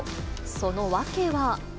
その訳は。